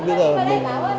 bây giờ mình